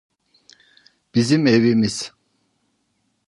Bizim evimiz.